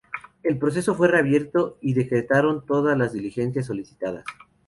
El proceso fue reabierto y se decretaron todas las diligencias solicitadas.